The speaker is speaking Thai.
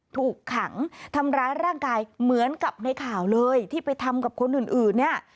ถูกขังทำร้ายร่างกายเหมือนกับในข่าวเลยที่ไปทำกับคนอื่นเนี่ย